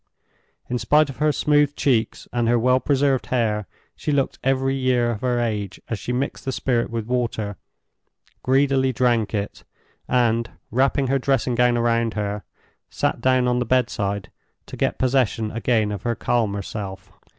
In spite of her smooth cheeks and her well preserved hair, she looked every year of her age as she mixed the spirit with water, greedily drank it, and, wrapping her dressing gown round her, sat down on the bedside to get possession again of her calmer self.